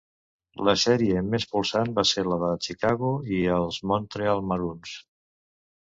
La sèrie més polsant va ser la de Chicago i els Montreal Maroons.